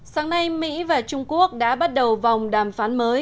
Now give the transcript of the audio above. sáng nay mỹ và trung quốc đã bắt đầu vòng đàm phán mới